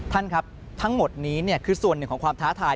ท่านครับทั้งหมดนี้คือส่วนหนึ่งของความท้าทาย